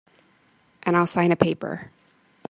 And I'll sign a paper.